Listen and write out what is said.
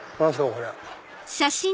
こりゃ。